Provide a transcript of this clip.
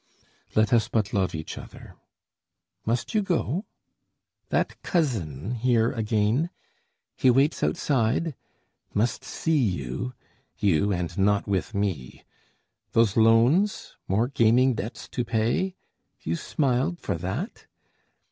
Let us but love each other. Must you go? That cousin here again? he waits outside? Must see you you, and not with me? Those loans? More gaming debts to pay? you smiled for that?